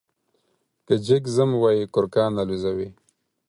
که جگ ځم وايي کرکان الوزوې ،